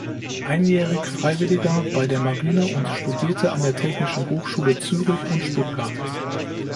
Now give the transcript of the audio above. Einjährig-Freiwilliger bei der Marine und studierte an der Technischen Hochschule Zürich und Stuttgart.